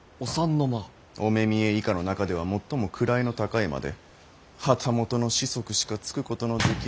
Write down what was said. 御目見以下の中では最も位の高い間で旗本の子息しかつくことのできぬ。